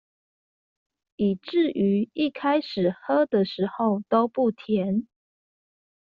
以至於一開始喝的時候都不甜